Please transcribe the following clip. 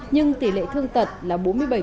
nhưng tỷ lệ thương tật là bốn mươi bảy